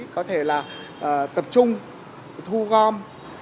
có thể là tập trung thu gom